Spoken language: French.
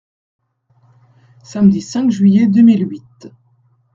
Samedi cinq juillet deux mille huit.